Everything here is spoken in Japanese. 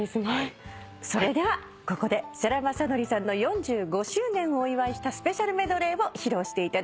それではここで世良公則さんの４５周年をお祝いしたスペシャルメドレーを披露していただきます。